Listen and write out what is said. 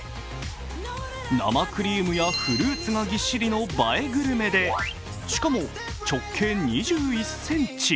生クリームやフルーツがぎっしりの映えグルメで、しかも直径２１ｃｍ。